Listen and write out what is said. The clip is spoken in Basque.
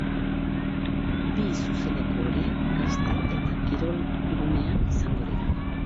Bi zuzeneko horiek gazte eta kirol gunean izango dira.